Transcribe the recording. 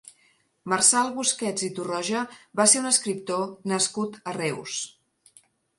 Marçal Busquets i Torroja va ser un escriptor nascut a Reus.